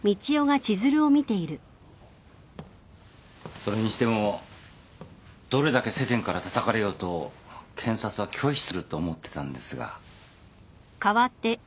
それにしてもどれだけ世間からたたかれようと検察は拒否すると思ってたんですが。